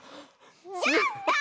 やった！